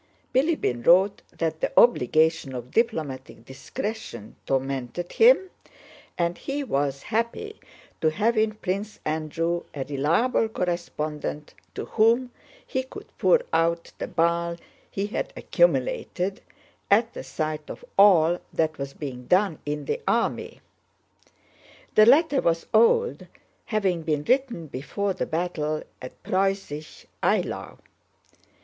Bilíbin wrote that the obligation of diplomatic discretion tormented him, and he was happy to have in Prince Andrew a reliable correspondent to whom he could pour out the bile he had accumulated at the sight of all that was being done in the army. The letter was old, having been written before the battle at Preussisch Eylau.